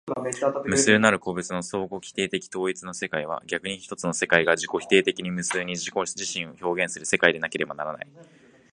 無数なる個物の相互否定的統一の世界は、逆に一つの世界が自己否定的に無数に自己自身を表現する世界でなければならない。